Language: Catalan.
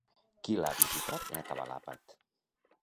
Qui l'ha visitat en acabar l'àpat?